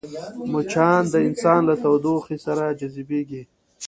مچان د انسان له تودوخې سره جذبېږي